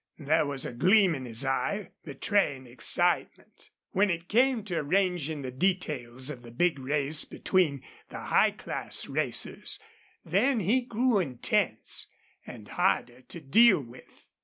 There was a gleam in his eye, betraying excitement. When it came to arranging the details of the big race between the high class racers, then he grew intense and harder to deal with.